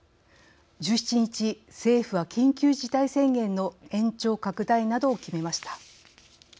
１７日、政府は緊急事態宣言の延長・拡大などを決めました。